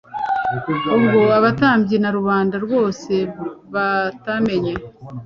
ubwo abatambyi na rubanda rwose batamenye.